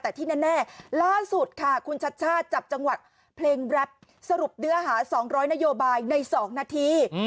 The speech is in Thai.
แต่ที่แน่ล่าสุดค่ะคุณชัดชาติจับจังหวัดเพลงแรปสรุปเนื้อหา๒๐๐นโยบายใน๒นาที